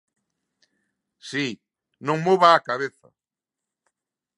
Si, non mova a cabeza.